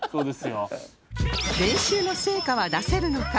練習の成果は出せるのか？